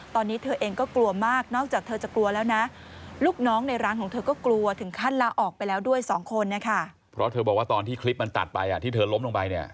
ตัดไปที่เธอล้มลงไป